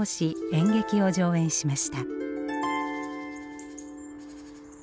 演劇を上演しました。